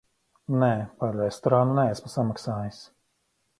Nē, par restorānu neesmu samaksājis.